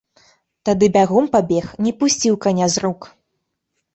Тады бягом пабег, не пусціў каня з рук.